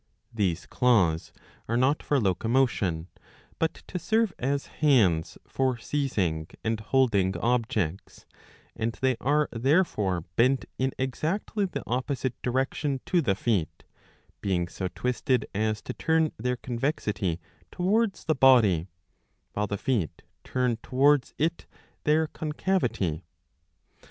These claws are not for locomotion, but to serve as hands for seizing and holding objects ; and they are therefore bent in exactly the opposite direction to the feet, being so twi sted as to turn their convexity towards the body, while the feet turn towards it their concavity 683b.